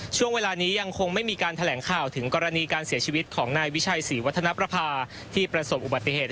ช่วงเวลานี้ยังคงไม่มีการแถลงข่าวถึงกรณีการเสียชีวิตของนายวิชัยศรีวัฒนประพาที่ประสบอุบัติเหตุ